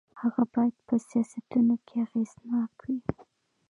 هغه باید په سیاستونو کې اغېزناک وي.